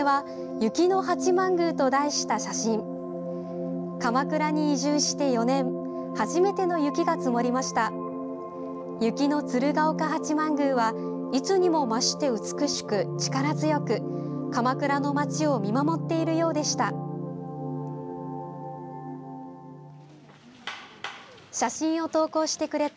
雪の鶴岡八幡宮はいつにも増して美しく力強く鎌倉の街を見守っているようでした。